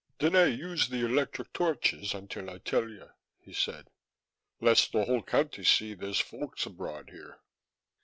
"Do nae use the electric torches until I tell ye," he said, "lest the whole county see there's folks abroad here."